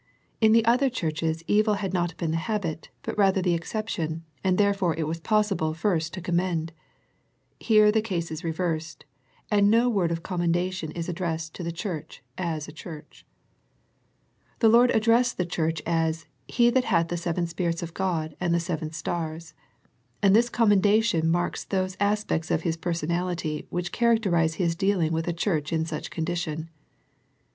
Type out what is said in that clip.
In the other churches evil had not been the habit, but rather the ex ception, and therefore it was possible first to commend. Here the case is reversed, and no word of commendation is addressed to the church as a church. The Lord addressed the church as " He that hath the seven Spirits of God, and the seven stars," and this commendation marks those as pects of His personality which characterize His dealing with a church in such condition.